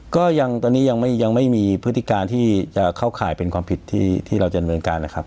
ก็ยังตอนนี้ยังไม่มีพฤติการที่จะเข้าข่ายเป็นความผิดที่เราจะดำเนินการนะครับ